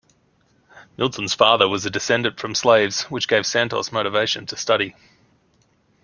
Milton's father was a descendant from slaves, which gave Santos motivation to study.